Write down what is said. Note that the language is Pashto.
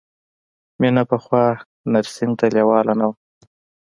مینه پخوا نرسنګ ته لېواله نه وه